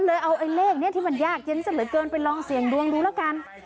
เอาไอ้เลขนี้ที่มันยากเย็นซะเหลือเกินไปลองเสี่ยงดวงดูแล้วกัน